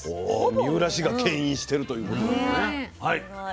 三浦市がけん引してるということなのね。